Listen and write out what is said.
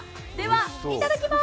いただきまーす。